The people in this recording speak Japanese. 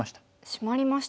シマりましたね。